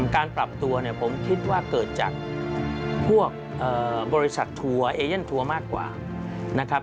การปรับตัวเนี่ยผมคิดว่าเกิดจากพวกบริษัททัวร์เอเย่นทัวร์มากกว่านะครับ